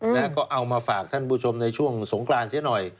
แล้วก็เอามาฝากท่านผู้ชมในช่วงสงกรานเสียหน่อย